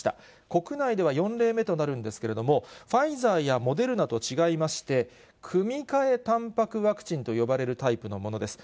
国内では４例目となるんですけど、ファイザーやモデルナと違いまして、組み換えたんぱくワクチンと呼ばれるタイプのものです。